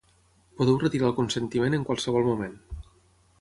Podeu retirar el consentiment en qualsevol moment.